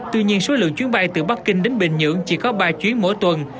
tuy nhiên số lượng chuyến bay từ bắc kinh đến bình nhưỡng chỉ có ba chuyến mỗi tuần